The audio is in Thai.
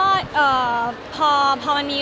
แล้วคุณพ่อคุณแม่ก็เครียดอะไรอย่างนี้ค่ะ